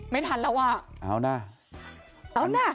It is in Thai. ไม่ทันแล้วว่ะ